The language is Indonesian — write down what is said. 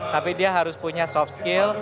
tapi dia harus punya soft skill